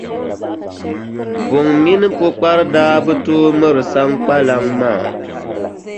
Buŋa mini Pukpara daa bi tooi miri Saŋkpaliŋ maa.